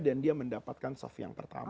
dan dia mendapatkan soft yang pertama